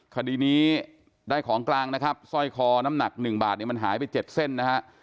คดีนี้ได้ของกลางนะครับสร้อยคอน้ำหนัก๑บาทเนี่ยมันหายไป๗เส้นนะฮะ